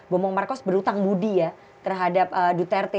bomong markos berutang budi ya terhadap duterte